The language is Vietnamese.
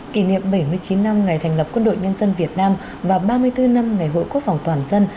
kỷ niệm bảy mươi chín năm ngày thành lập quân đội nhân dân việt nam và ba mươi bốn năm ngày hội quốc phòng toàn dân